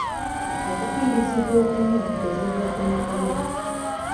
Okufiirizibwa okumu kuzibu okununulwa.